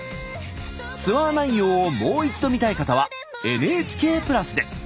ツアー内容をもう一度見たい方はＮＨＫプラスで。